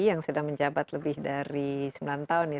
yang sudah menjabat lebih dari sembilan tahun ya